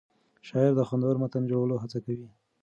شاعر د خوندور متن جوړولو هڅه کوي.